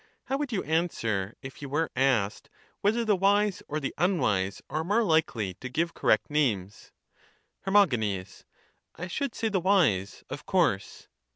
How would you answer, if you were asked whether the wise or the unwise are more Hkely to give correct names? Her. I should say the wise, of course.